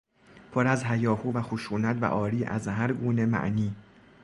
پر از هیاهو و خشونت و عاری از هر گونه معنی